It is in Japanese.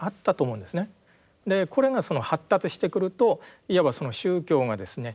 これが発達してくるといわばその宗教がですね